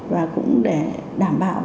và cũng để đảm bảo